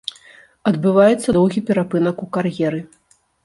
Адбываецца доўгі перапынак у кар'еры.